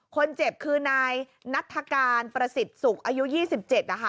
คนเจ็บคือนายนัฐกาลประสิทธิ์สุขอายุ๒๗นะคะ